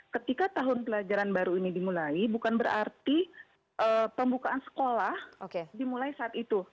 ketika tahun pelajaran baru ini dimulai bukan berarti pembukaan sekolah dimulai saat itu